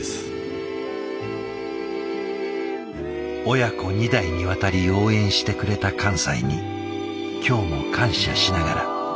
親子２代にわたり応援してくれた寛斎に今日も感謝しながら。